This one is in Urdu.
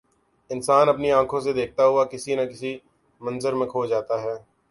انسان اپنی آنکھوں سے دیکھتا ہوا کسی نہ کسی منظر میں کھو جاتا ہے